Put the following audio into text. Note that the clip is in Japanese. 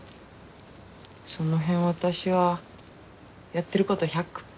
その辺私はやってること１００％